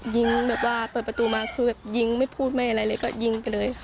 ยิงแบบว่าเปิดประตูมาคือแบบยิงไม่พูดไม่อะไรเลยก็ยิงไปเลยค่ะ